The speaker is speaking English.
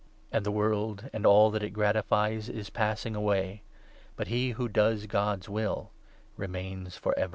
And the world, and all that it 17 gratifies, is passing away, but he who does God's will remains for ever.